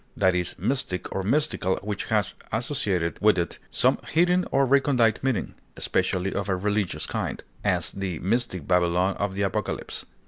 That is mystic or mystical which has associated with it some hidden or recondite meaning, especially of a religious kind; as, the mystic Babylon of the Apocalypse.